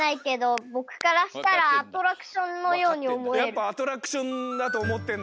やっぱアトラクションだとおもってんだ？